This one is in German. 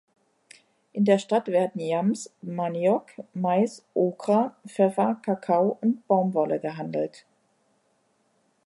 In der Stadt werden Yams, Maniok, Mais, Okra, Pfeffer, Kakao und Baumwolle gehandelt.